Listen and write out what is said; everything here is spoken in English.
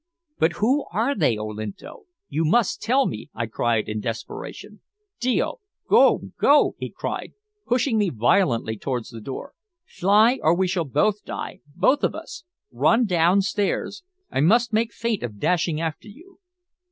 "But who are they, Olinto? You must tell me," I cried in desperation. "Dio! Go! Go!" he cried, pushing me violently towards the door. "Fly, or we shall both die both of us! Run downstairs. I must make feint of dashing after you."